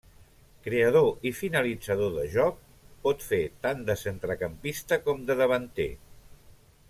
Creador i finalitzador de joc, pot fer tant de centrecampista com de davanter.